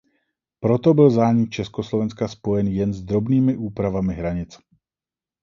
Proto byl zánik Československa spojen jen s drobnými úpravami hranic.